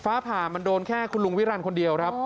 ฟ้าผ่ามันโดนแค่คุณลุงวิรันดิ์คนเดียวครับ